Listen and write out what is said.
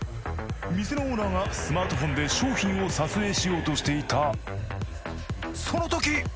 店のオーナーがスマートフォンで商品を撮影しようとしていたその時！